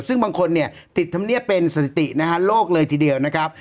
ซึ่งบางคนเนี่ยติดธรรมเนียบเป็นสถิตินะฮะโลกเลยทีเดียวนะครับ